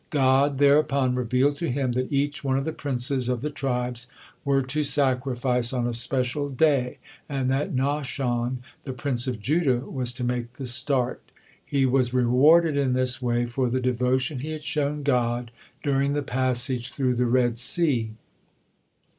God thereupon revealed to him that each one of the princes of the tribes were to sacrifice on a special day, and that Nahshon, the prince of Judah, was to make the start. He was rewarded in this way for the devotion he had shown God during the passage through the Red Sea.